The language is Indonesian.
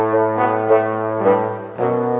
want to tell you sesuatu